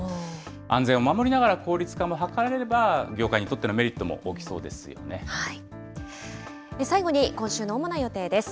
安全を守りながら効率化も図れれば、業界にとってのメリットも大最後に今週の主な予定です。